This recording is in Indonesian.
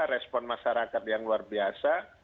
respon masyarakat yang luar biasa